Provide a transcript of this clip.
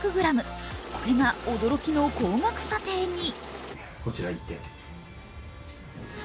これが驚きの高額査定に。